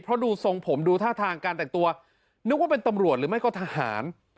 เพราะดูทรงผมดูท่าทางการแต่งตัวนึกว่าเป็นตำรวจหรือไม่ก็ทหาร